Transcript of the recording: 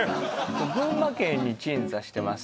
群馬県に鎮座してます